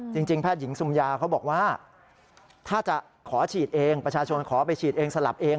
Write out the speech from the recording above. จริงแพทย์หญิงซุมยาเขาบอกว่าถ้าจะขอฉีดเองประชาชนขอไปฉีดเองสลับเอง